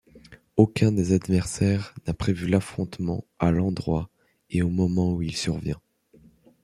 Aucun des adversaires n'a prévu l'affrontement à l'endroit et au moment où il survient.